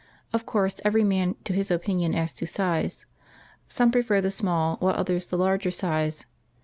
Of course every man to his opinion as to size. Some prefer the small, while others the larger size.